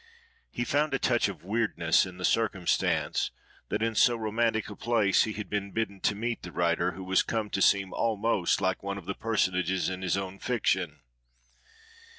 He found a touch of weirdness in the circumstance that in so romantic a place he had been bidden to meet the writer who was come to seem almost like one of the personages in his own fiction.